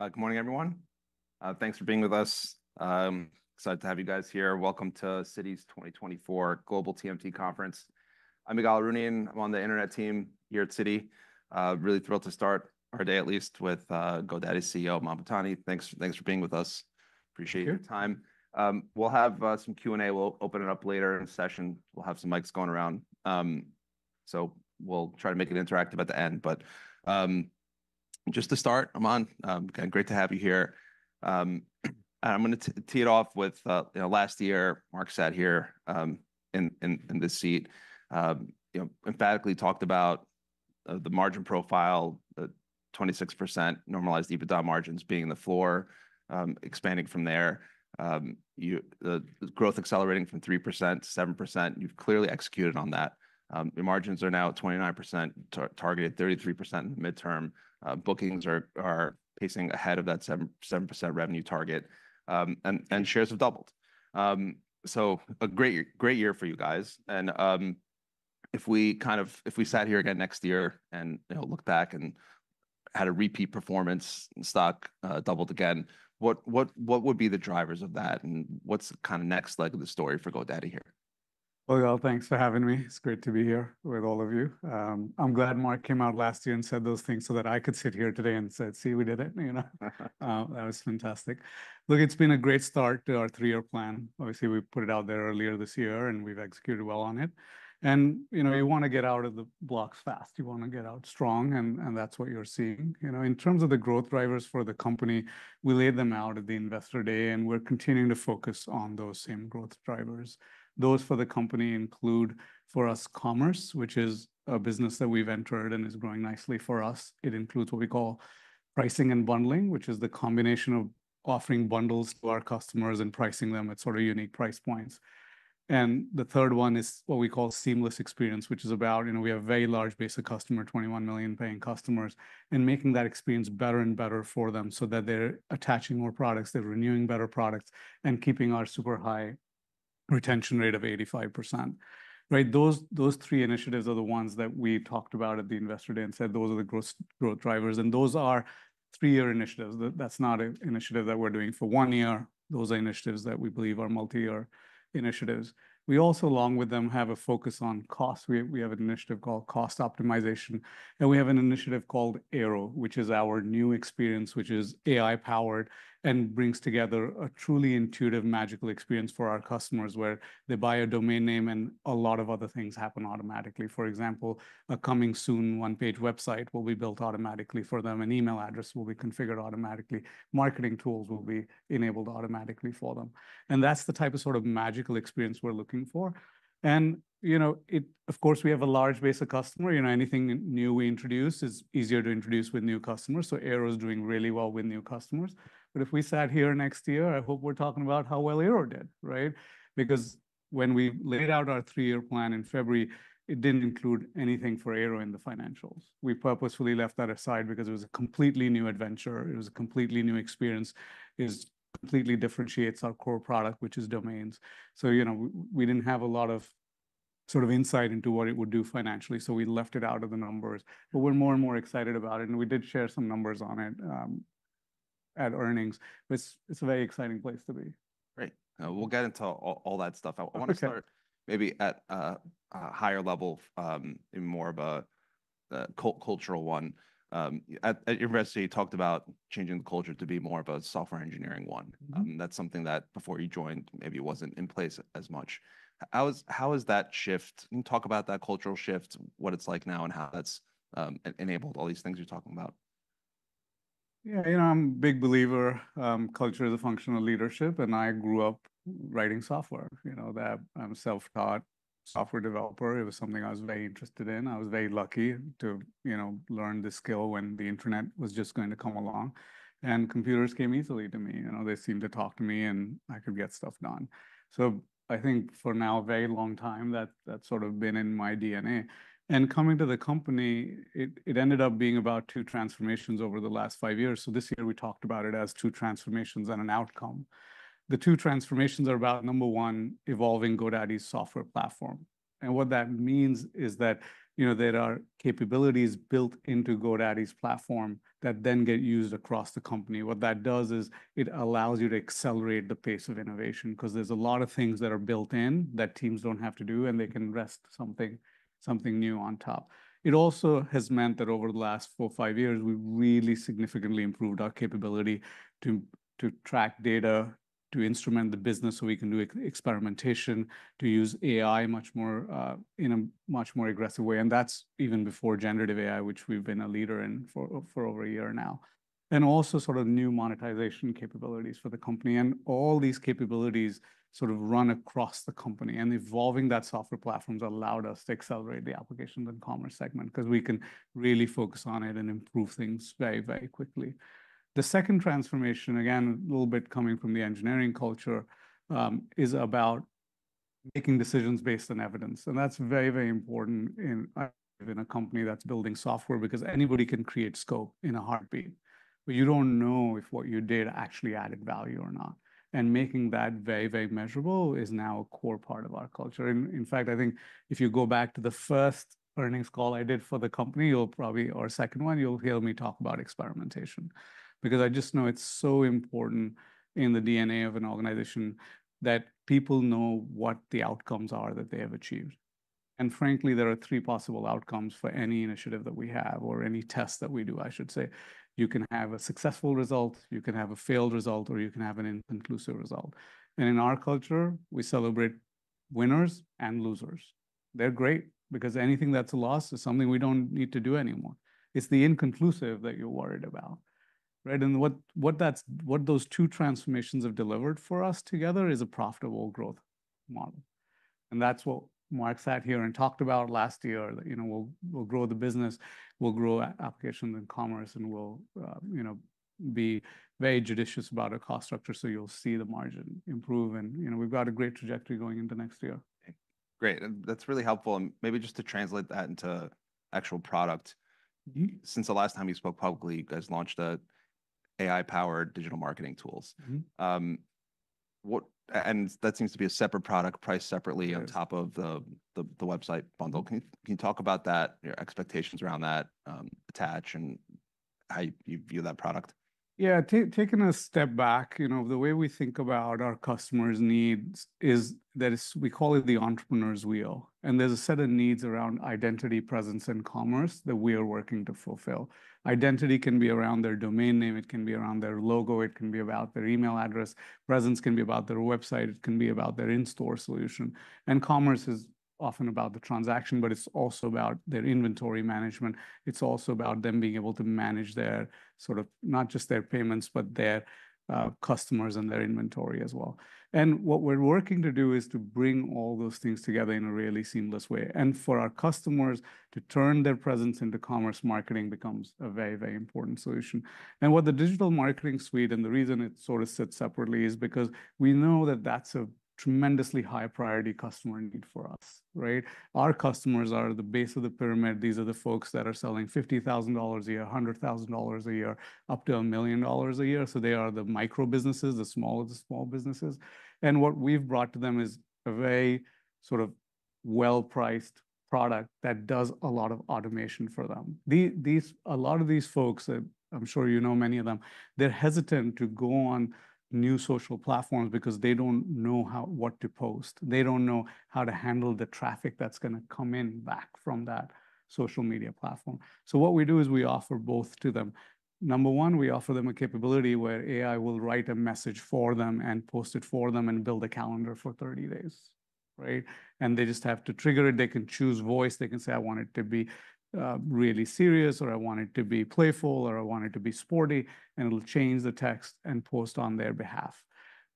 Good morning, everyone. Thanks for being with us. Excited to have you guys here. Welcome to Citi's 2024 Global TMT Conference. I'm Michael Rollins, and I'm on the internet team here at Citi. Really thrilled to start our day, at least, with GoDaddy's CEO, Aman Bhutani. Thanks for being with us. Sure. Appreciate your time. We'll have some Q&A. We'll open it up later in the session. We'll have some mics going around. So we'll try to make it interactive at the end, but just to start, Aman, again, great to have you here. I'm gonna tee it off with, you know, last year, Mark sat here in this seat, you know, emphatically talked about the margin profile, 26% normalized EBITDA margins being the floor, expanding from there. The growth accelerating from 3% to 7%. You've clearly executed on that. Your margins are now at 29%, targeted 33% midterm. Bookings are pacing ahead of that 7% revenue target, and shares have doubled. So a great year, great year for you guys, and if we sat here again next year and, you know, looked back and had a repeat performance, and stock doubled again, what would be the drivers of that, and what's the kind of next leg of the story for GoDaddy here? Thanks for having me. It's great to be here with all of you. I'm glad Mark came out last year and said those things so that I could sit here today and said, "See? We did it," you know? That was fantastic. Look, it's been a great start to our three-year plan. Obviously, we put it out there earlier this year, and we've executed well on it. You know, you want to get out of the blocks fast. You want to get out strong, and that's what you're seeing. You know, in terms of the growth drivers for the company, we laid them out at the Investor Day, and we're continuing to focus on those same growth drivers. Those for the company include, for us, commerce, which is a business that we've entered and is growing nicely for us. It includes what we call pricing and bundling, which is the combination of offering bundles to our customers and pricing them at sort of unique price points. The third one is what we call seamless experience, which is about, you know, we have a very large base of customer, 21 million paying customers, and making that experience better and better for them so that they're attaching more products, they're renewing better products, and keeping our super high retention rate of 85%. Right, those, those three initiatives are the ones that we talked about at the Investor Day and said those are the growth, growth drivers, and those are three-year initiatives. That's not an initiative that we're doing for one year. Those are initiatives that we believe are multiyear initiatives. We also, along with them, have a focus on cost. We have an initiative called Cost Optimization, and we have an initiative called Airo, which is our new experience, which is AI-powered and brings together a truly intuitive, magical experience for our customers, where they buy a domain name, and a lot of other things happen automatically. For example, a coming soon one-page website will be built automatically for them. An email address will be configured automatically. Marketing tools will be enabled automatically for them, and that's the type of sort of magical experience we're looking for. And, you know, it. Of course, we have a large base of customers. You know, anything new we introduce is easier to introduce with new customers, so Airo's doing really well with new customers. But if we sat here next year, I hope we're talking about how well Airo did, right? Because when we laid out our three-year plan in February, it didn't include anything for Airo in the financials. We purposefully left that aside because it was a completely new adventure. It was a completely new experience. It completely differentiates our core product, which is domains. So, you know, we didn't have a lot of sort of insight into what it would do financially, so we left it out of the numbers, but we're more and more excited about it, and we did share some numbers on it at earnings. It's, it's a very exciting place to be. Great. We'll get into all that stuff. Okay. I want to start maybe at a higher level, in more of a cultural one. At university, you talked about changing the culture to be more of a software engineering one. Mm-hmm. That's something that, before you joined, maybe it wasn't in place as much. How is that shift... Can you talk about that cultural shift, what it's like now, and how that's enabled all these things you're talking about? Yeah, you know, I'm a big believer, culture is a function of leadership, and I grew up writing software. You know, that I'm a self-taught software developer. It was something I was very interested in. I was very lucky to, you know, learn this skill when the internet was just going to come along, and computers came easily to me. You know, they seemed to talk to me, and I could get stuff done. So I think for now, a very long time, that's sort of been in my DNA. And coming to the company, it ended up being about two transformations over the last five years. So this year we talked about it as two transformations and an outcome. The two transformations are about, number one, evolving GoDaddy's software platform, and what that means is that, you know, there are capabilities built into GoDaddy's platform that then get used across the company. What that does is it allows you to accelerate the pace of innovation, 'cause there's a lot of things that are built in that teams don't have to do, and they can rest something new on top. It also has meant that over the last four, five years, we've really significantly improved our capability to track data, to instrument the business so we can do experimentation, to use AI much more in a much more aggressive way, and that's even before generative AI, which we've been a leader in for over a year now. Also sort of new monetization capabilities for the company, and all these capabilities sort of run across the company, and evolving that software platform's allowed us to accelerate the application and commerce segment, 'cause we can really focus on it and improve things very, very quickly. The second transformation, again, a little bit coming from the engineering culture, is about making decisions based on evidence, and that's very, very important in a company that's building software, because anybody can create scope in a heartbeat. But you don't know if what you did actually added value or not, and making that very, very measurable is now a core part of our culture. In fact, I think if you go back to the first earnings call I did for the company, or second one, you'll hear me talk about experimentation. Because I just know it's so important in the DNA of an organization that people know what the outcomes are that they have achieved. And frankly, there are three possible outcomes for any initiative that we have or any test that we do, I should say. You can have a successful result, you can have a failed result, or you can have an inconclusive result. And in our culture, we celebrate winners and losers. They're great, because anything that's a loss is something we don't need to do anymore. It's the inconclusive that you're worried about, right? And what those two transformations have delivered for us together is a profitable growth model. That's what Mark sat here and talked about last year, that, you know, we'll, we'll grow the business, we'll grow Applications and Commerce, and we'll, you know, be very judicious about our cost structure, so you'll see the margin improve. You know, we've got a great trajectory going into next year. Great, and that's really helpful. And maybe just to translate that into actual product- Mm-hmm. Since the last time you spoke publicly, you guys launched an AI-powered digital marketing tools. Mm-hmm. And that seems to be a separate product, priced separately. Right on top of the website bundle. Can you talk about that, your expectations around that, attach, and how you view that product? Yeah, taking a step back, you know, the way we think about our customers' needs is that it's, we call it the entrepreneur's wheel, and there's a set of needs around identity, presence, and commerce that we are working to fulfill. Identity can be around their domain name, it can be around their logo, it can be about their email address. Presence can be about their website, it can be about their in-store solution. And commerce is often about the transaction, but it's also about their inventory management. It's also about them being able to manage their, sort of, not just their payments, but their, customers and their inventory as well. And what we're working to do is to bring all those things together in a really seamless way. And for our customers to turn their presence into commerce, marketing becomes a very, very important solution. What the digital marketing suite, and the reason it sort of sits separately, is because we know that that's a tremendously high-priority customer need for us, right? Our customers are the base of the pyramid. These are the folks that are selling $50,000 a year, $100,000 a year, up to $1 million a year, so they are the micro businesses, the smallest of small businesses. And what we've brought to them is a very sort of well-priced product that does a lot of automation for them. A lot of these folks, I'm sure you know many of them, they're hesitant to go on new social platforms because they don't know how... what to post. They don't know how to handle the traffic that's gonna come in back from that social media platform. So what we do is we offer both to them. Number one, we offer them a capability where AI will write a message for them, and post it for them, and build a calendar for 30 days, right? And they just have to trigger it. They can choose voice. They can say, "I want it to be really serious," or, "I want it to be playful," or, "I want it to be sporty," and it'll change the text and post on their behalf,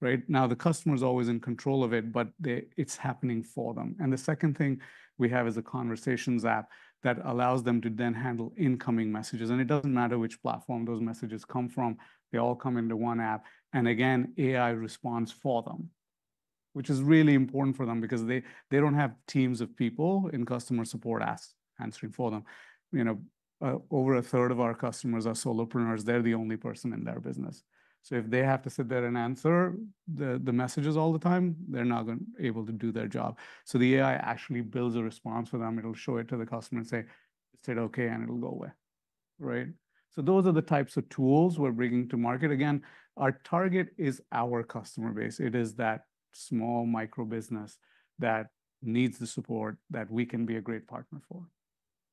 right? Now, the customer's always in control of it, but it's happening for them. And the second thing we have is a Conversations app that allows them to then handle incoming messages, and it doesn't matter which platform those messages come from. They all come into one app, and again, AI responds for them, which is really important for them because they, they don't have teams of people in customer support answering for them. You know, over a third of our customers are solopreneurs. They're the only person in their business, so if they have to sit there and answer the messages all the time, they're not gonna able to do their job. So the AI actually builds a response for them. It'll show it to the customer and say, "Is it okay?" And it'll go away, right? So those are the types of tools we're bringing to market again. Our target is our customer base. It is that small micro business that needs the support that we can be a great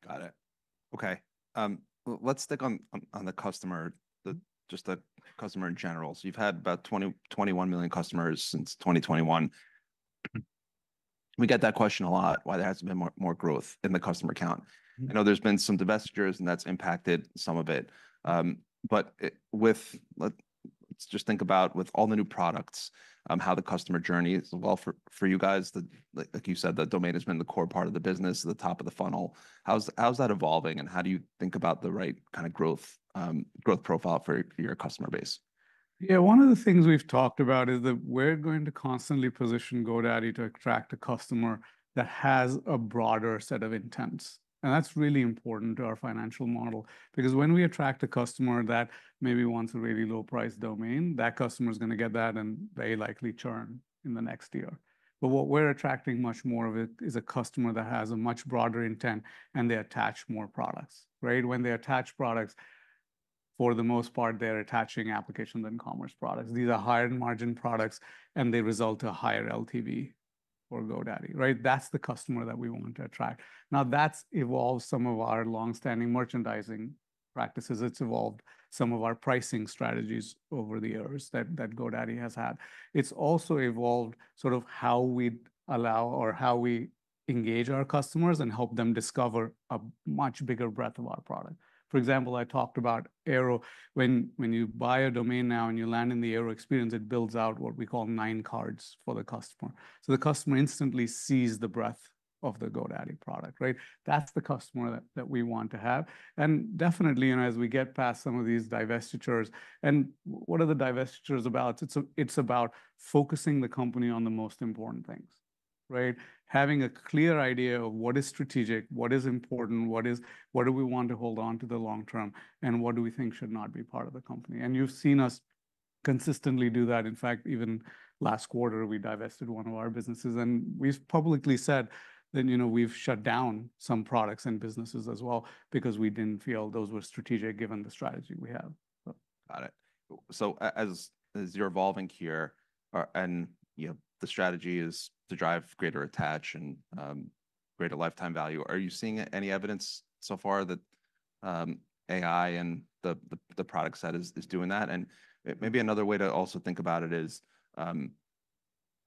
partner for. Got it. Okay, let's stick on the customer, just the customer in general. So you've had about 20-21 million customers since 2021. Mm-hmm. We get that question a lot, why there hasn't been more growth in the customer count. Mm. I know there's been some divestitures, and that's impacted some of it. Let's just think about with all the new products, how the customer journey is, well, for you guys, like you said, the domain has been the core part of the business, the top of the funnel. How's that evolving, and how do you think about the right kind of growth profile for your customer base? Yeah, one of the things we've talked about is that we're going to constantly position GoDaddy to attract a customer that has a broader set of intents, and that's really important to our financial model. Because when we attract a customer that maybe wants a really low-priced domain, that customer's gonna get that, and they likely churn in the next year. But what we're attracting much more of it is a customer that has a much broader intent, and they attach more products, right? When they attach products, for the most part, they're attaching applications and commerce products. These are higher-margin products, and they result to higher LTV for GoDaddy, right? That's the customer that we want to attract. Now, that's evolved some of our long-standing merchandising practices. It's evolved some of our pricing strategies over the years that GoDaddy has had. It's also evolved sort of how we allow or how we engage our customers and help them discover a much bigger breadth of our product. For example, I talked about Airo. When you buy a domain now and you land in the Airo experience, it builds out what we call nine cards for the customer. So the customer instantly sees the breadth of the GoDaddy product, right? That's the customer that we want to have. And definitely, you know, as we get past some of these divestitures... And what are the divestitures about? It's it's about focusing the company on the most important things.... Right? Having a clear idea of what is strategic, what is important, what do we want to hold onto the long term, and what do we think should not be part of the company? And you've seen us consistently do that. In fact, even last quarter, we divested one of our businesses, and we've publicly said that, you know, we've shut down some products and businesses as well because we didn't feel those were strategic, given the strategy we have. Got it. So as you're evolving here, and you know, the strategy is to drive greater attach and greater lifetime value, are you seeing any evidence so far that AI and the product set is doing that? And maybe another way to also think about it is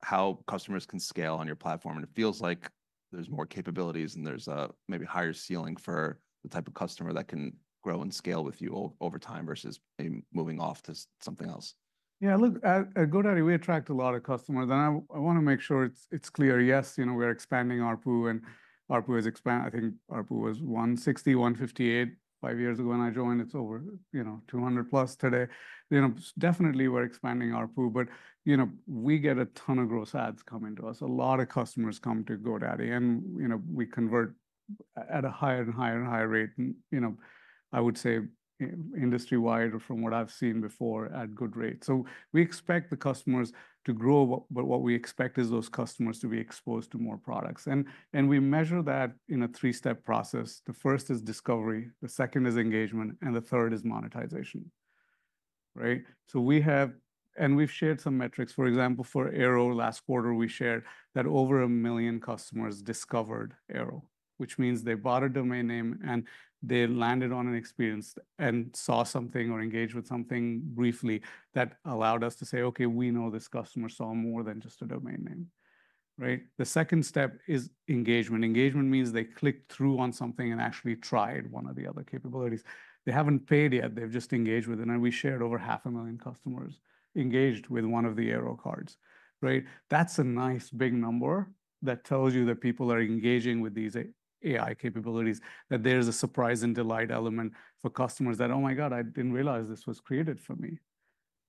how customers can scale on your platform, and it feels like there's more capabilities, and there's maybe a higher ceiling for the type of customer that can grow and scale with you over time versus maybe moving off to something else. Yeah, look, at GoDaddy, we attract a lot of customers, and I wanna make sure it's clear, yes, you know, we're expanding ARPU, and ARPU has expanded. I think ARPU was 158 five years ago when I joined. It's over, you know, 200-plus today. You know, definitely we're expanding ARPU, but, you know, we get a ton of gross adds coming to us. A lot of customers come to GoDaddy, and, you know, we convert at a higher and higher and higher rate, and, you know, I would say industry-wide or from what I've seen before, at good rates. So we expect the customers to grow, but what we expect is those customers to be exposed to more products, and we measure that in a three-step process. The first is discovery, the second is engagement, and the third is monetization, right? So we have... And we've shared some metrics. For example, for Airo last quarter, we shared that over 1 million customers discovered Airo, which means they bought a domain name, and they landed on an experience and saw something or engaged with something briefly that allowed us to say, "Okay, we know this customer saw more than just a domain name," right? The second step is engagement. Engagement means they clicked through on something and actually tried one of the other capabilities. They haven't paid yet. They've just engaged with it, and we shared over 500,000 customers engaged with one of the Airo cards, right? That's a nice big number that tells you that people are engaging with these AI capabilities, that there's a surprise and delight element for customers that, "Oh, my God, I didn't realize this was created for me,"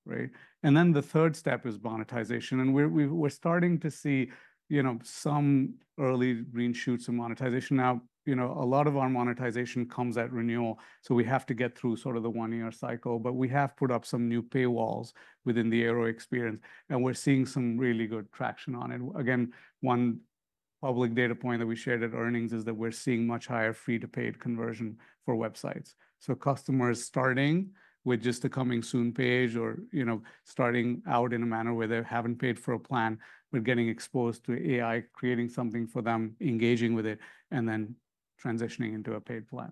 right? And then the third step is monetization, and we're starting to see, you know, some early green shoots in monetization. Now, you know, a lot of our monetization comes at renewal, so we have to get through sort of the one-year cycle, but we have put up some new paywalls within the Airo experience, and we're seeing some really good traction on it. Again, one public data point that we shared at earnings is that we're seeing much higher free-to-paid conversion for websites. So customers starting with just a coming soon page or, you know, starting out in a manner where they haven't paid for a plan but getting exposed to AI, creating something for them, engaging with it, and then transitioning into a paid plan.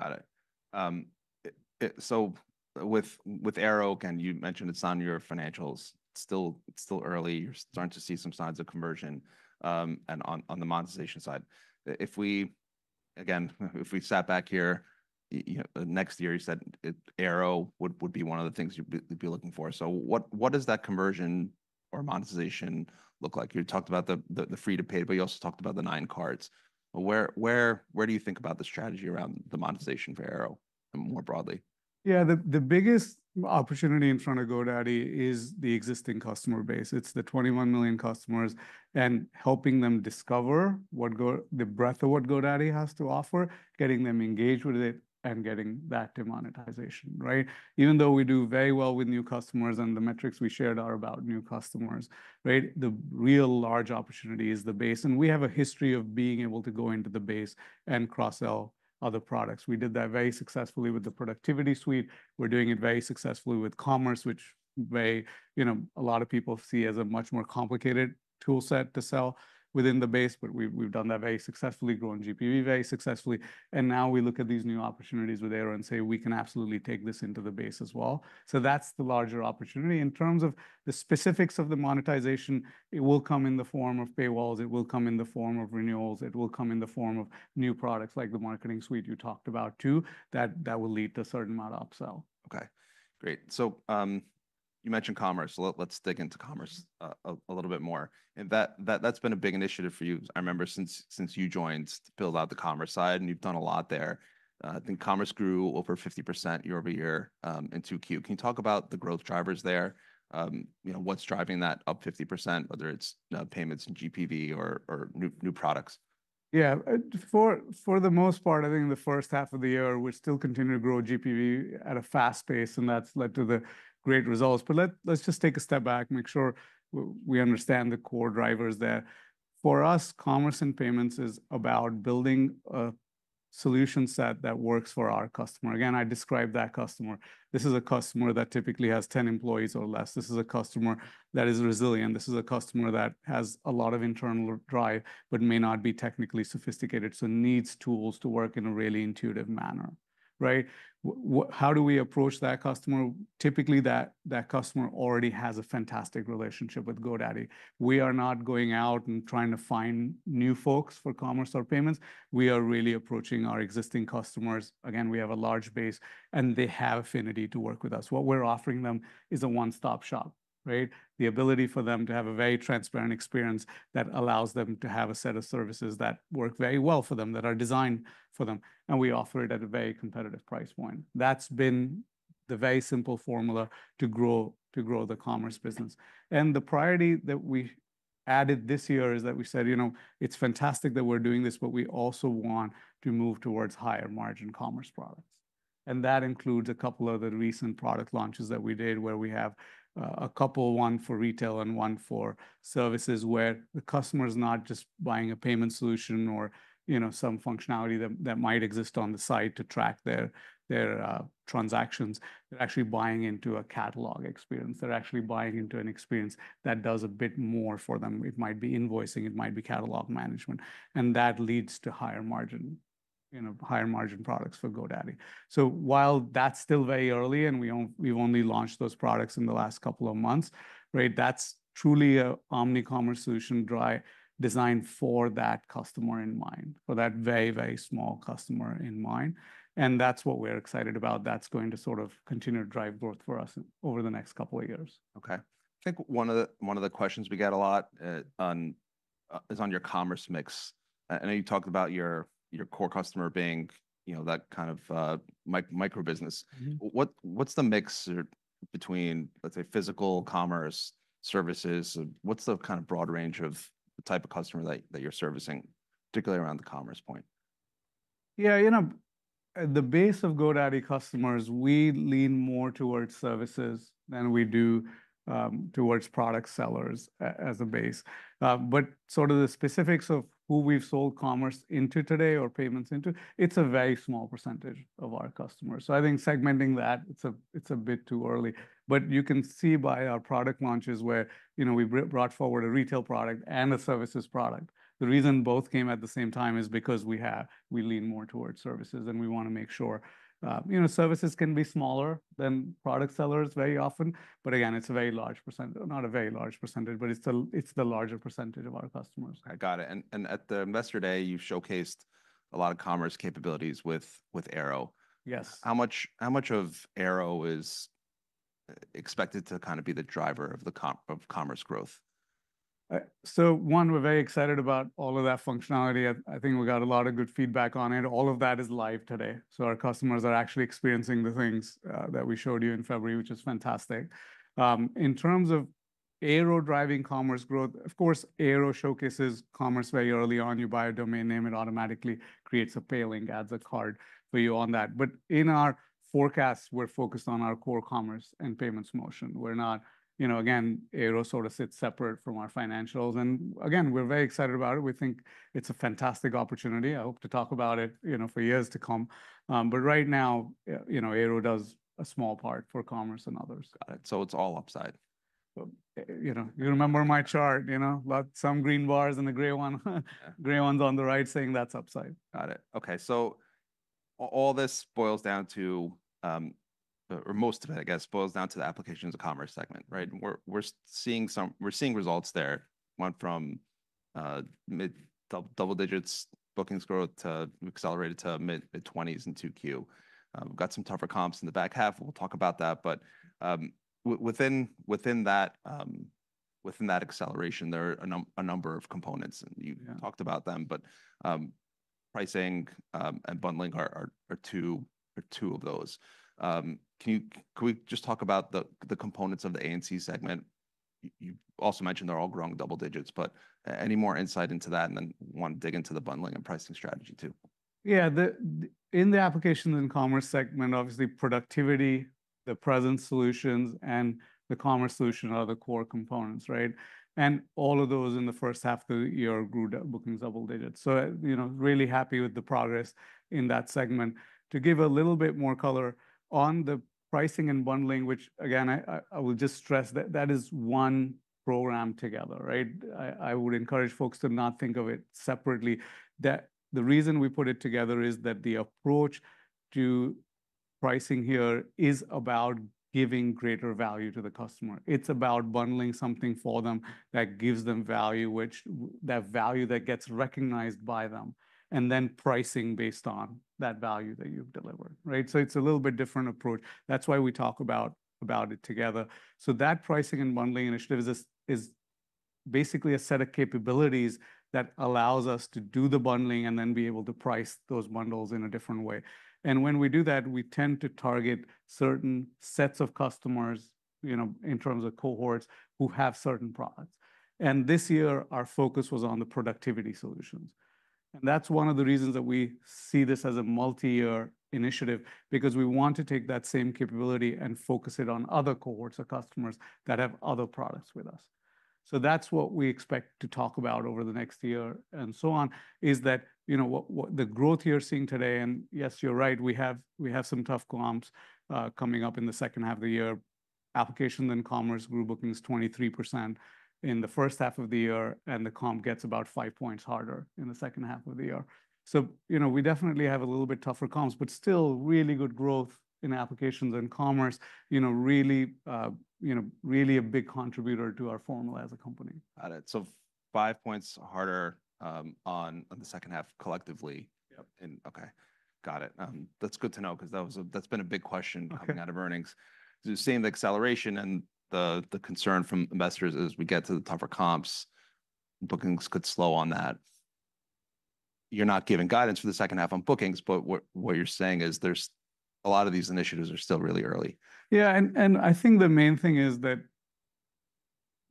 Got it. So with Airo, again, you mentioned it's on your financials. It's still early. You're starting to see some signs of conversion and on the monetization side. If we again sat back here, you know, next year, you said Airo would be one of the things you'd be looking for. So what does that conversion or monetization look like? You talked about the free to paid, but you also talked about the AI cards. Where do you think about the strategy around the monetization for Airo and more broadly? Yeah, the biggest opportunity in front of GoDaddy is the existing customer base. It's the 21 million customers and helping them discover what Go—the breadth of what GoDaddy has to offer, getting them engaged with it, and getting back to monetization, right? Even though we do very well with new customers, and the metrics we shared are about new customers, right, the real large opportunity is the base, and we have a history of being able to go into the base and cross-sell other products. We did that very successfully with the Productivity suite. We're doing it very successfully with Commerce, which may, you know, a lot of people see as a much more complicated tool set to sell within the base, but we've done that very successfully, grown GPV very successfully. Now we look at these new opportunities with Airo and say, "We can absolutely take this into the base as well." So that's the larger opportunity. In terms of the specifics of the monetization, it will come in the form of paywalls. It will come in the form of renewals. It will come in the form of new products, like the Websites + Marketing you talked about, too, that will lead to a certain amount of upsell. Okay, great. So you mentioned Commerce, so let's dig into Commerce a little bit more. That's been a big initiative for you. I remember since you joined, to build out the Commerce side, and you've done a lot there. I think Commerce grew over 50% year over year in 2Q. Can you talk about the growth drivers there? You know, what's driving that up 50%, whether it's payments in GPV or new products? Yeah. For the most part, I think in the first half of the year, we're still continuing to grow GPV at a fast pace, and that's led to the great results. But let's just take a step back, make sure we understand the core drivers there. For us, Commerce and payments is about building a solution set that works for our customer. Again, I described that customer. This is a customer that typically has ten employees or less. This is a customer that is resilient. This is a customer that has a lot of internal drive but may not be technically sophisticated, so needs tools to work in a really intuitive manner, right? What... How do we approach that customer? Typically, that customer already has a fantastic relationship with GoDaddy. We are not going out and trying to find new folks for Commerce or payments. We are really approaching our existing customers. Again, we have a large base, and they have affinity to work with us. What we're offering them is a one-stop shop, right? The ability for them to have a very transparent experience that allows them to have a set of services that work very well for them, that are designed for them, and we offer it at a very competitive price point. That's been the very simple formula to grow the Commerce business. And the priority that we added this year is that we said, you know, it's fantastic that we're doing this, but we also want to move towards higher-margin commerce products. And that includes a couple of the recent product launches that we did, where we have a couple, one for retail and one for services, where the customer's not just buying a payment solution or, you know, some functionality that might exist on the site to track their transactions. They're actually buying into a catalog experience. They're actually buying into an experience that does a bit more for them. It might be invoicing, it might be catalog management, and that leads to higher margin, you know, higher-margin products for GoDaddy. So while that's still very early, and we've only launched those products in the last couple of months, right? That's truly an omnicommerce solution driven designed for that customer in mind, for that very, very small customer in mind, and that's what we're excited about. That's going to sort of continue to drive growth for us over the next couple of years. Okay. I think one of the questions we get a lot on is on your commerce mix. I know you talked about your core customer being, you know, that kind of microbusiness. Mm-hmm. What's the mix between, let's say, physical commerce, services? What's the kind of broad range of the type of customer that you're servicing, particularly around the commerce point? Yeah, you know, at the base of GoDaddy customers, we lean more towards services than we do towards product sellers as a base. But sort of the specifics of who we've sold commerce into today or payments into, it's a very small percentage of our customers. So I think segmenting that, it's a bit too early. But you can see by our product launches where, you know, we brought forward a retail product and a services product. The reason both came at the same time is because we have. We lean more towards services, and we wanna make sure, you know, services can be smaller than product sellers very often, but again, it's not a very large percentage, but it's the larger percentage of our customers. I got it, and at the Investor Day, you showcased a lot of commerce capabilities with Airo. Yes. How much, how much of Airo is expected to kind of be the driver of the commerce growth? So one, we're very excited about all of that functionality. I think we got a lot of good feedback on it. All of that is live today, so our customers are actually experiencing the things that we showed you in February, which is fantastic. In terms of Airo driving commerce growth, of course, Airo showcases commerce very early on. You buy a domain name, it automatically creates a pay link, adds a card for you on that. But in our forecasts, we're focused on our core commerce and payments motion. We're not... You know, again, Airo sort of sits separate from our financials, and again, we're very excited about it. We think it's a fantastic opportunity. I hope to talk about it, you know, for years to come. But right now, you know, Airo does a small part for commerce and others. Got it, so it's all upside? You know, you remember my chart, you know, about some green bars and a gray one? Yeah. Gray one's on the right, saying that's upside. Got it. Okay, so all this boils down to, or most of it, I guess, boils down to the applications of commerce segment, right? We're seeing results there, went from mid double digits bookings growth to accelerated to mid-20s in 2Q. We've got some tougher comps in the back half. We'll talk about that, but within that acceleration, there are a number of components, and you- Yeah... talked about them, but pricing and bundling are two of those. Can we just talk about the components of the A&C segment? You also mentioned they're all growing double digits, but any more insight into that, and then I want to dig into the bundling and pricing strategy, too. Yeah. In the applications and commerce segment, obviously, productivity, the presence solutions, and the commerce solution are the core components, right? All of those in the first half of the year grew the bookings double digits. So, you know, really happy with the progress in that segment. To give a little bit more color on the pricing and bundling, which again, I will just stress that is one program together, right? I would encourage folks to not think of it separately. The reason we put it together is that the approach to pricing here is about giving greater value to the customer. It's about bundling something for them that gives them value that gets recognized by them, and then pricing based on that value that you've delivered, right? So it's a little bit different approach. That's why we talk about it together. So that pricing and bundling initiative is basically a set of capabilities that allows us to do the bundling and then be able to price those bundles in a different way. And when we do that, we tend to target certain sets of customers, you know, in terms of cohorts, who have certain products. And this year, our focus was on the productivity solutions, and that's one of the reasons that we see this as a multi-year initiative, because we want to take that same capability and focus it on other cohorts or customers that have other products with us. So that's what we expect to talk about over the next year and so on, is that, you know, what the growth you're seeing today, and yes, you're right, we have some tough comps coming up in the second half of the year. Applications and commerce grew bookings 23% in the first half of the year, and the comp gets about five points harder in the second half of the year. So, you know, we definitely have a little bit tougher comps, but still, really good growth in applications and commerce. You know, really, you know, really a big contributor to our formula as a company. Got it. So five points harder on the second half, collectively? Yep. Okay, got it. That's good to know, 'cause that was a... That's been a big question- Okay... coming out of earnings. So seeing the acceleration and the concern from investors as we get to the tougher comps, bookings could slow on that.... You're not giving guidance for the second half on bookings, but what you're saying is there's a lot of these initiatives are still really early? Yeah, and I think the main thing is that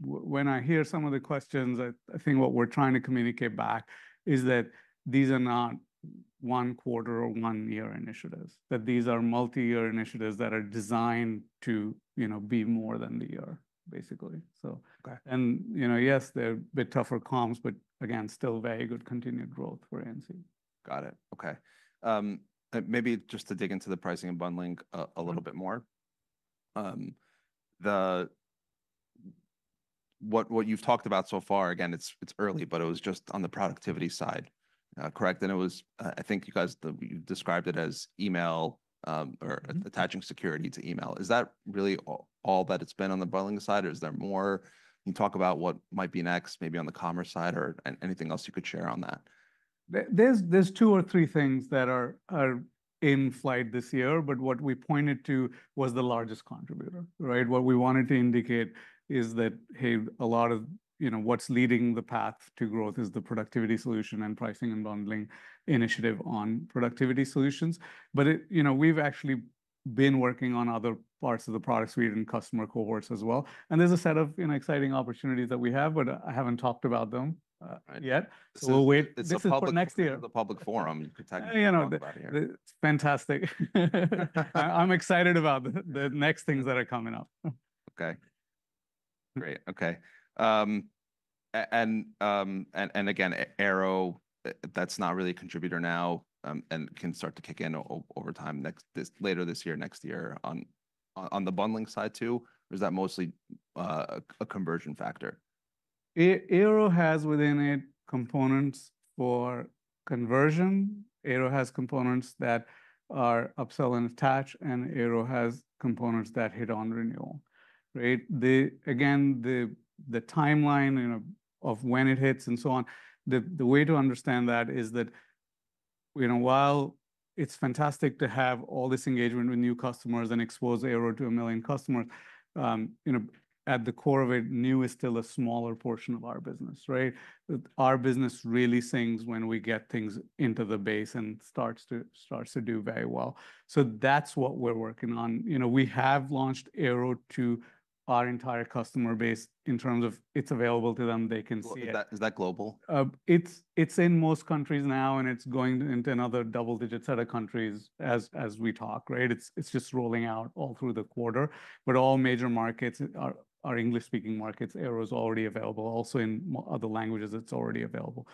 when I hear some of the questions, I think what we're trying to communicate back is that these are not one quarter or one-year initiatives, that these are multi-year initiatives that are designed to, you know, be more than the year, basically. So- Okay. You know, yes, they're a bit tougher comps, but again, still very good continued growth for NC. Got it, okay. Maybe just to dig into the pricing and bundling a little bit more. What you've talked about so far, again, it's early, but it was just on the productivity side, correct? And it was, I think you guys, you described it as email, or- Mm-hmm... attaching security to email. Is that really all that it's been on the bundling side, or is there more? Can you talk about what might be next, maybe on the commerce side, or anything else you could share on that? There are two or three things that are in flight this year, but what we pointed to was the largest contributor, right? What we wanted to indicate is that, hey, a lot of, you know, what's leading the path to growth is the productivity solution and pricing and bundling initiative on productivity solutions. But it, you know, we've actually been working on other parts of the product suite and customer cohorts as well, and there's a set of, you know, exciting opportunities that we have, but I haven't talked about them yet. Right. We'll wait- It's a public- This is for next year. It's a public forum. You could technically talk about it here. You know, fantastic. I'm excited about the next things that are coming up. Okay. Great, okay. Again, Airo, that's not really a contributor now, and can start to kick in over time later this year, next year on the bundling side too? Or is that mostly a conversion factor? Airo has within it components for conversion. Airo has components that are upsell and attach, and Airo has components that hit on renewal, right? Again, the timeline, you know, of when it hits and so on, the way to understand that is that, you know, while it's fantastic to have all this engagement with new customers and expose Airo to a million customers, you know, at the core of it, new is still a smaller portion of our business, right? Our business really sings when we get things into the base and starts to do very well. So that's what we're working on. You know, we have launched Airo to our entire customer base in terms of it's available to them, they can see it. Is that, is that global? It's in most countries now, and it's going into another double-digit set of countries as we talk, right? It's just rolling out all through the quarter, but all major markets are English-speaking markets. Airo's already available also in other languages. It's already available.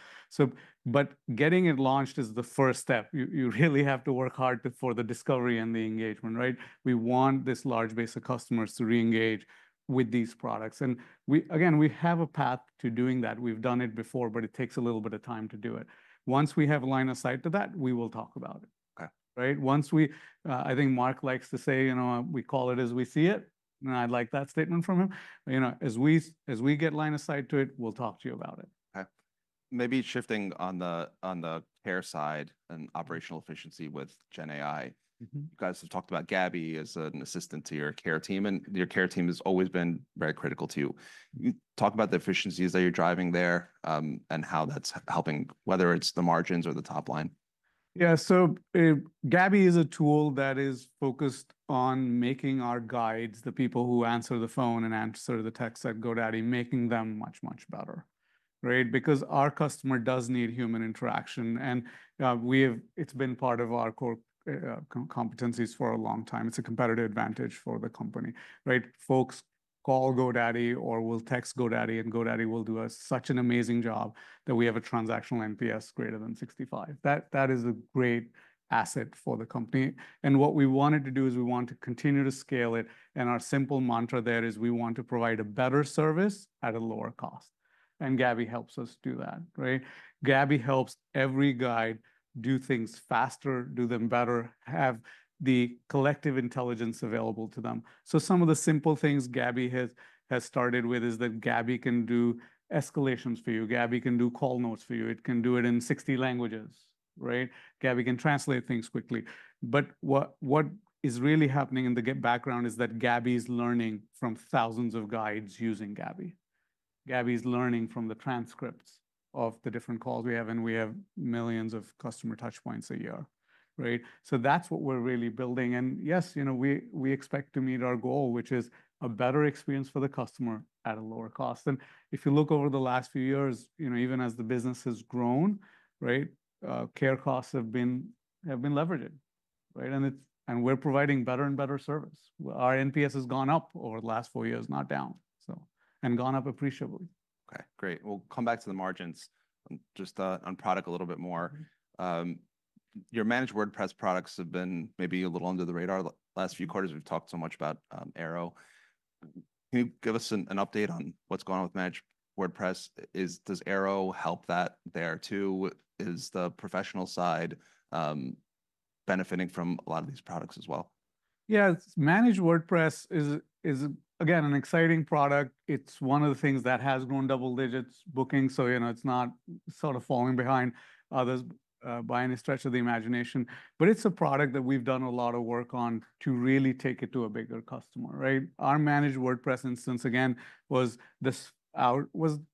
But getting it launched is the first step. You really have to work hard for the discovery and the engagement, right? We want this large base of customers to re-engage with these products, and we again have a path to doing that. We've done it before, but it takes a little bit of time to do it. Once we have line of sight to that, we will talk about it. Okay. Right? Once we, I think Mark likes to say, you know, "We call it as we see it," and I like that statement from him. You know, as we, as we get line of sight to it, we'll talk to you about it. Okay. Maybe shifting on the care side and operational efficiency with GenAI. Mm-hmm. You guys have talked about Gabby as an assistant to your care team, and your care team has always been very critical to you. Can you talk about the efficiencies that you're driving there, and how that's helping, whether it's the margins or the top line? Yeah, so, Gabby is a tool that is focused on making our guides, the people who answer the phone and answer the texts at GoDaddy, making them much, much better, right? Because our customer does need human interaction, and It's been part of our core competencies for a long time. It's a competitive advantage for the company, right? Folks call GoDaddy or will text GoDaddy, and GoDaddy will do a such an amazing job that we have a transactional NPS greater than 65. That, that is a great asset for the company, and what we wanted to do is we want to continue to scale it, and our simple mantra there is, we want to provide a better service at a lower cost, and Gabby helps us do that, right? Gabby helps every guide do things faster, do them better, have the collective intelligence available to them. Some of the simple things Gabby has started with is that Gabby can do escalations for you, Gabby can do call notes for you. It can do it in 60 languages, right? Gabby can translate things quickly. But what is really happening in the background is that Gabby's learning from thousands of guides using Gabby. Gabby's learning from the transcripts of the different calls we have, and we have millions of customer touch points a year, right? That's what we're really building. Yes, you know, we expect to meet our goal, which is a better experience for the customer at a lower cost. And if you look over the last few years, you know, even as the business has grown, right, care costs have been leveraged, right? And we're providing better and better service. Our NPS has gone up over the last four years, not down, so, and gone up appreciably. Okay, great. We'll come back to the margins. Just on product a little bit more. Your Managed WordPress products have been maybe a little under the radar the last few quarters. We've talked so much about Airo. Can you give us an update on what's going on with Managed WordPress? Does Airo help that there too? Is the professional side benefiting from a lot of these products as well? Yeah. Managed WordPress is again an exciting product. It's one of the things that has grown double digits booking, so you know, it's not sort of falling behind others by any stretch of the imagination. But it's a product that we've done a lot of work on to really take it to a bigger customer, right? Our managed WordPress instance, again, was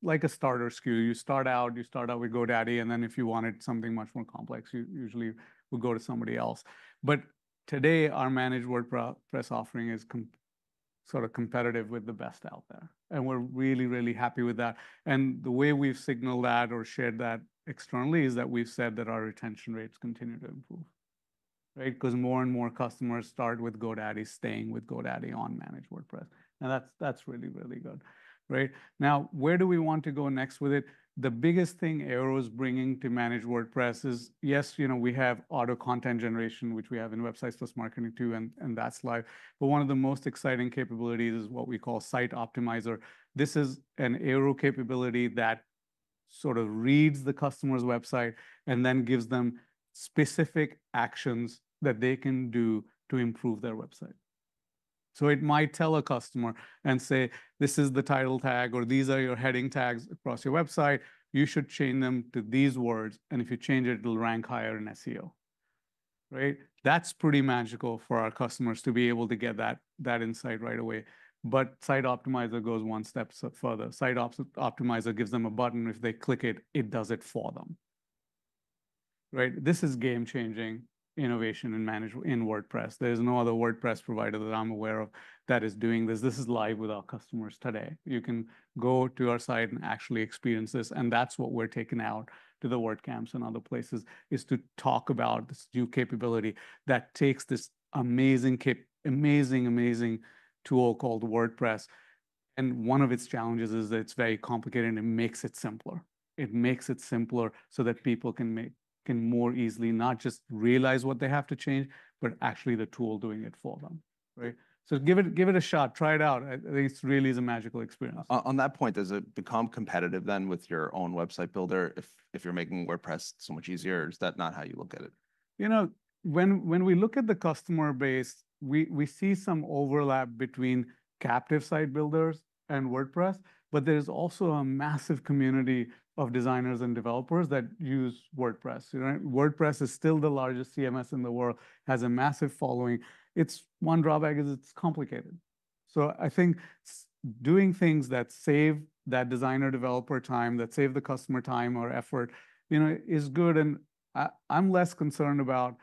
like a starter SKU. You start out with GoDaddy, and then if you wanted something much more complex, you usually would go to somebody else. But today, our managed WordPress offering is sort of competitive with the best out there, and we're really, really happy with that. And the way we've signaled that or shared that externally is that we've said that our retention rates continue to improve, right? 'Cause more and more customers start with GoDaddy, staying with GoDaddy on Managed WordPress. Now, that's, that's really, really good, right? Now, where do we want to go next with it? The biggest thing Airo is bringing to Managed WordPress is, yes, you know, we have auto content generation, which we have in Websites + Marketing, too, and, and that's live. But one of the most exciting capabilities is what we call Site Optimizer. This is an Airo capability that sort of reads the customer's website and then gives them specific actions that they can do to improve their website. So it might tell a customer and say, "This is the title tag," or, "These are your heading tags across your website. You should change them to these words, and if you change it, it'll rank higher in SEO," right? That's pretty magical for our customers to be able to get that, that insight right away. But Site Optimizer goes one step further. Site Optimizer gives them a button. If they click it, it does it for them, right? This is game-changing innovation in managed WordPress. There's no other WordPress provider that I'm aware of that is doing this. This is live with our customers today. You can go to our site and actually experience this, and that's what we're taking out to the WordCamps and other places, is to talk about this new capability that takes this amazing, amazing tool called WordPress, and one of its challenges is that it's very complicated, and it makes it simpler. It makes it simpler so that people can more easily not just realize what they have to change, but actually the tool doing it for them, right? So give it, give it a shot. Try it out. This really is a magical experience. On that point, does it become competitive then with your own website builder if you're making WordPress so much easier, or is that not how you look at it? You know, when we look at the customer base, we see some overlap between captive site builders and WordPress, but there's also a massive community of designers and developers that use WordPress, right? WordPress is still the largest CMS in the world, has a massive following. Its one drawback is it's complicated. So I think doing things that save that designer-developer time, that save the customer time or effort, you know, is good, and I'm less concerned about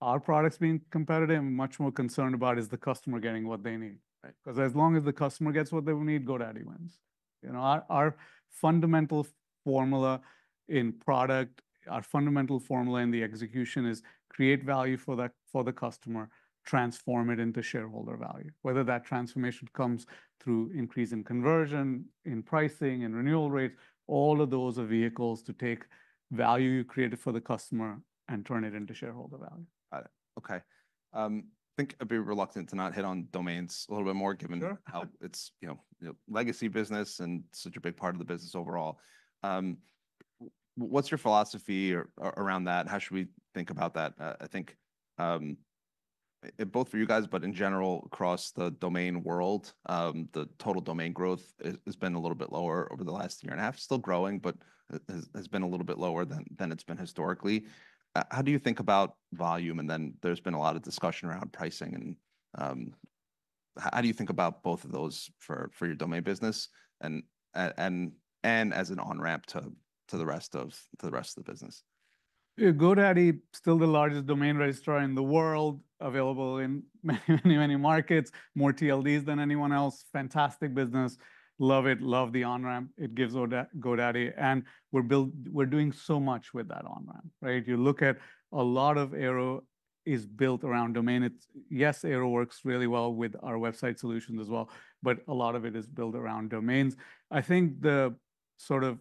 our products being competitive and much more concerned about, is the customer getting what they need, right? 'Cause as long as the customer gets what they need, GoDaddy wins. You know, our fundamental formula in product, our fundamental formula in the execution is create value for the customer, transform it into shareholder value. Whether that transformation comes through increase in conversion, in pricing, in renewal rates, all of those are vehicles to take value you created for the customer and turn it into shareholder value. Got it. Okay. I think I'd be reluctant to not hit on domains a little bit more- Sure... given how it's, you know, legacy business and such a big part of the business overall. What's your philosophy around that? How should we think about that? Both for you guys, but in general, across the domain world, the total domain growth has been a little bit lower over the last year and a half. Still growing, but has been a little bit lower than it's been historically. How do you think about volume? And then there's been a lot of discussion around pricing and how do you think about both of those for your domain business, and as an on-ramp to the rest of the business? Yeah, GoDaddy, still the largest domain registrar in the world, available in many, many, many markets, more TLDs than anyone else. Fantastic business. Love it, love the on-ramp it gives to GoDaddy, and we're doing so much with that on-ramp, right? You look at a lot of Airo is built around domain. It's... Yes, Airo works really well with our website solutions as well, but a lot of it is built around domains. I think the sort of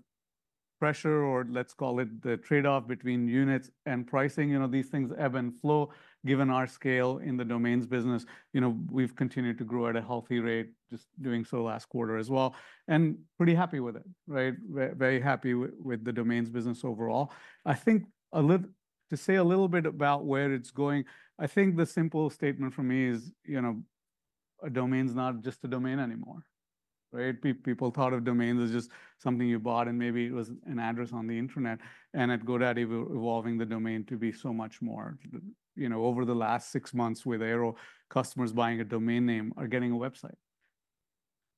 pressure, or let's call it the trade-off between units and pricing, you know, these things ebb and flow, given our scale in the domains business. You know, we've continued to grow at a healthy rate, just doing so last quarter as well, and pretty happy with it, right? Very happy with the domains business overall. I think, to say a little bit about where it's going, I think the simple statement for me is, you know, a domain's not just a domain anymore, right? People thought of domains as just something you bought, and maybe it was an address on the internet, and at GoDaddy, we're evolving the domain to be so much more. You know, over the last six months with Airo, customers buying a domain name are getting a website,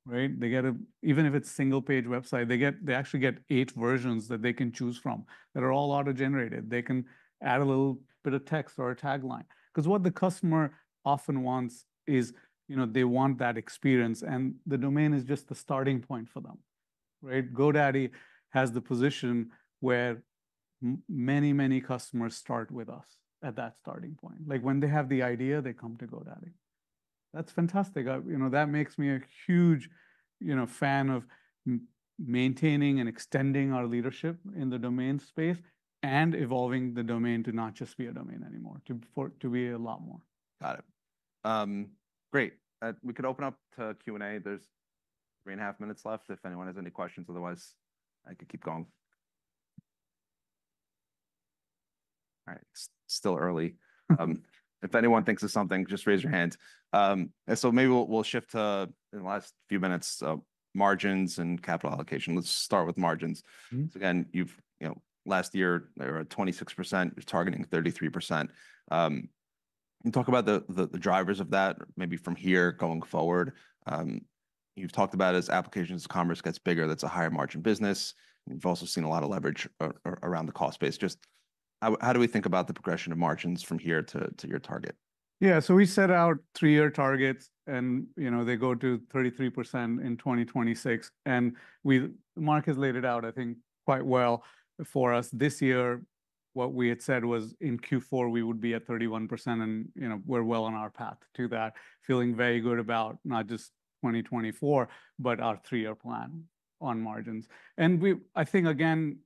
right? They get a, even if it's single-page website, they actually get eight versions that they can choose from, that are all autogenerated. They can add a little bit of text or a tagline. 'Cause what the customer often wants is, you know, they want that experience, and the domain is just the starting point for them, right? GoDaddy has the position where many, many customers start with us at that starting point. Like, when they have the idea, they come to GoDaddy. That's fantastic. You know, that makes me a huge, you know, fan of maintaining and extending our leadership in the domain space and evolving the domain to not just be a domain anymore, to, for, to be a lot more. Got it. Great. We could open up to Q&A. There's three and a half minutes left if anyone has any questions. Otherwise, I could keep going. All right, it's still early. If anyone thinks of something, just raise your hand. And so maybe we'll shift to, in the last few minutes, margins and capital allocation. Let's start with margins. Mm-hmm. So again, you've, you know, last year, they were at 26%. You're targeting 33%. Can you talk about the drivers of that, maybe from here going forward? You've talked about as applications, commerce gets bigger, that's a higher margin business. We've also seen a lot of leverage around the cost base. Just how do we think about the progression of margins from here to your target? Yeah, so we set out three-year targets, and, you know, they go to 33% in 2026. And Mark has laid it out, I think, quite well for us. This year, what we had said was in Q4 we would be at 31%, and, you know, we're well on our path to that. Feeling very good about not just 2024, but our three-year plan on margins. And I think, again,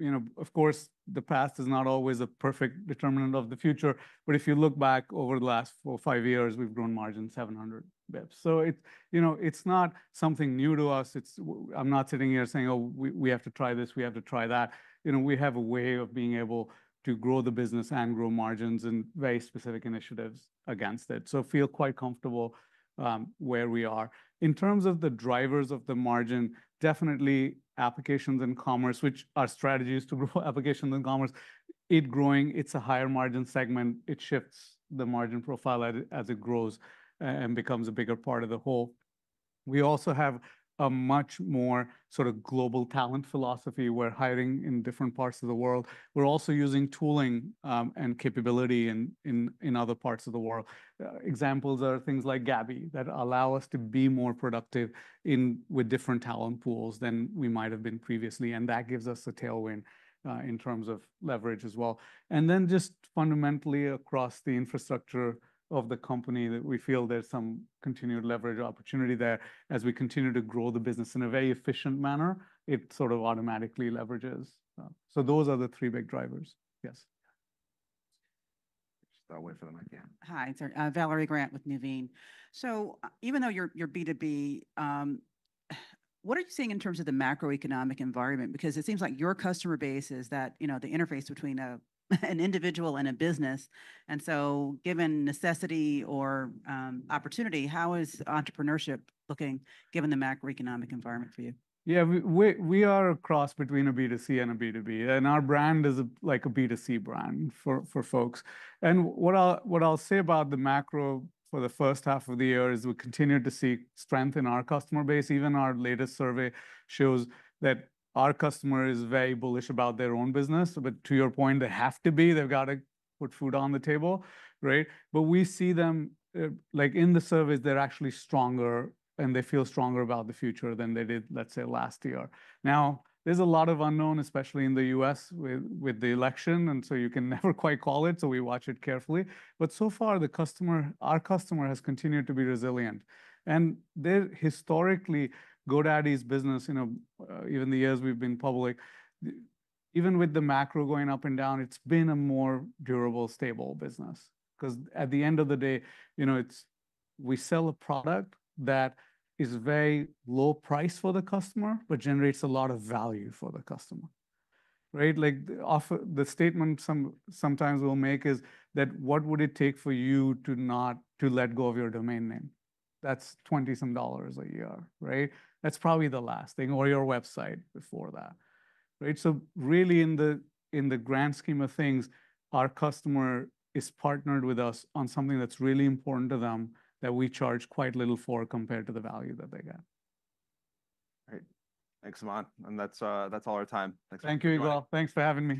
you know, of course, the past is not always a perfect determinant of the future, but if you look back over the last four, five years, we've grown margin 700 basis points. So it. You know, it's not something new to us. I'm not sitting here saying, "Oh, we have to try this, we have to try that." You know, we have a way of being able to grow the business and grow margins and very specific initiatives against it. So feel quite comfortable where we are. In terms of the drivers of the margin, definitely applications and commerce, which are strategies to grow applications and commerce. It growing, it's a higher margin segment. It shifts the margin profile as it grows and becomes a bigger part of the whole. We also have a much more sort of global talent philosophy. We're hiring in different parts of the world. We're also using tooling and capability in other parts of the world. Examples are things like Gabby, that allow us to be more productive with different talent pools than we might have been previously, and that gives us a tailwind in terms of leverage as well. And then just fundamentally across the infrastructure of the company, that we feel there's some continued leverage opportunity there. As we continue to grow the business in a very efficient manner, it sort of automatically leverages. So those are the three big drivers. Yes? Just wait for the mic, yeah. Hi, Valerie Grant with Nuveen. So, even though you're, you're B2B, what are you seeing in terms of the macroeconomic environment? Because it seems like your customer base is that, you know, the interface between a, an individual and a business, and so given necessity or, opportunity, how is entrepreneurship looking given the macroeconomic environment for you? Yeah, we are a cross between a B2C and a B2B, and our brand is like a B2C brand for folks, and what I'll say about the macro for the first half of the year is we continue to see strength in our customer base. Even our latest survey shows that our customer is very bullish about their own business, but to your point, they have to be. They've got to put food on the table, right? But we see them, like, in the surveys, they're actually stronger and they feel stronger about the future than they did, let's say, last year. Now, there's a lot of unknown, especially in the U.S. with the election, and so you can never quite call it, so we watch it carefully, but so far, the customer, our customer has continued to be resilient, and they're... Historically, GoDaddy's business, you know, even the years we've been public, even with the macro going up and down, it's been a more durable, stable business. 'Cause at the end of the day, you know, it's we sell a product that is very low price for the customer, but generates a lot of value for the customer, right? Like, often, the statement sometimes we'll make is that what would it take for you to let go of your domain name? That's $20-some a year, right? That's probably the last thing or your website before that, right, so really, in the grand scheme of things, our customer is partnered with us on something that's really important to them that we charge quite little for compared to the value that they get. Great. Thanks, Aman, and that's all our time. Thanks Thank you, everyone. Thanks for having me here.